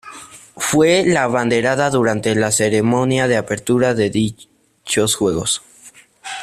Fue la abanderada durante la ceremonia de apertura de dichos Juegos.